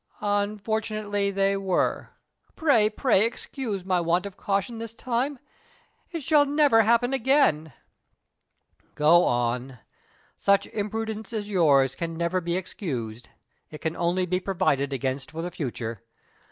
"Unfortunately they were. Pray, pray excuse my want of caution this time. It shall never happen again." "Go on. Such imprudence as yours can never be excused; it can only be provided against for the future.